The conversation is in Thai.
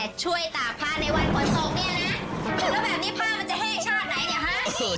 แต่ช่วยตากผ้าในวันฝนตกเนี่ยนะ